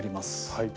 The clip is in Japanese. はい。